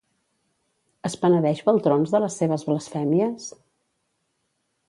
Es penedeix Baltrons de les seves blasfèmies?